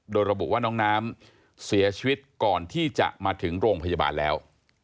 โดยระบุว่าน้องน้ำเสียชีวิตก่อนที่จะมาถึงโรงพยาบาลแล้ว